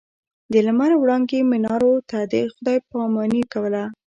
د لمر وړانګې منارو ته خداې پا ماني کوله.